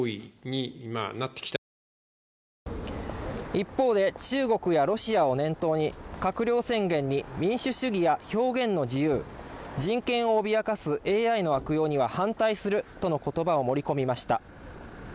一方で、中国やロシアを念頭に閣僚宣言に民主主義や表現の自由・人権を脅かすＡＩの悪用には反対するとの言葉を盛り込みました。